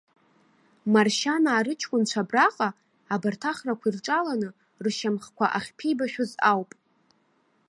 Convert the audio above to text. Маршьанаа рыҷкәынцәа абраҟа, абарҭ ахрақәа ирҿаланы, ршьамхқәа ахьԥибашәоз ауп.